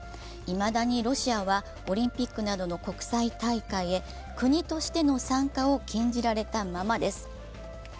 いまだにロシアはオリンピックなどの国際大会へ国としての参加を禁じられたままです。